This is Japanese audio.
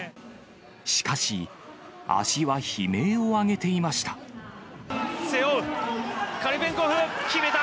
しかし、足は悲鳴を上げてい背負う、決めた！